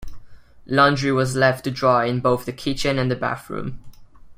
Laundry was left to dry in both the kitchen and the bathroom.